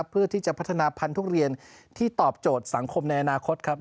เพื่อที่จะพัฒนาพันธุเรียนที่ตอบโจทย์สังคมในอนาคตครับ